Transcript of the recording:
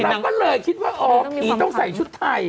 เราก็เลยคิดว่าอ๋อผีต้องใส่ชุดไทย